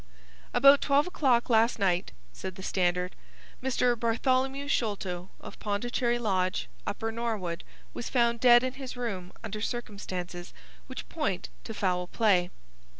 "About twelve o'clock last night," said the Standard, "Mr. Bartholomew Sholto, of Pondicherry Lodge, Upper Norwood, was found dead in his room under circumstances which point to foul play.